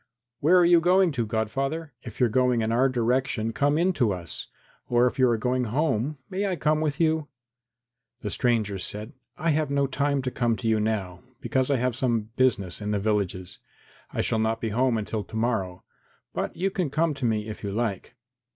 "Where are you going to, godfather? If you are going in our direction come in to us, or if you are going home, may I come with you?" And the stranger said, "I have no time to come to you now, because I have some business in the villages. I shall not be home until to morrow, then you can come to me if you like."